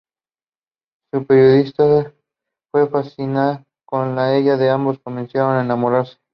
El periodista se fascina con ella y ambos comienzan a enamorarse.